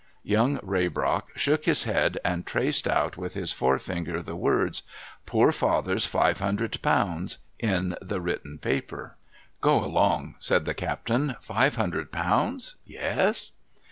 Young Raybrock shook his head, and traced out with his forefinger the words, '■poor father'' s five hundred pounds^ in the written paper. ' Go along,' said the captain. ' Five hundred pounds ? Yes